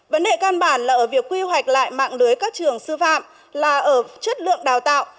vấn đề căn bản là ở việc quy hoạch lại mạng lưới các trường sư phạm là ở chất lượng đào tạo